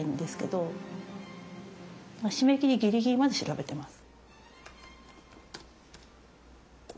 締め切りギリギリまで調べてます。